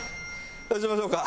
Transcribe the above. どうしましょうか？